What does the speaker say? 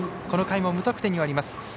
この回も無得点に終わります。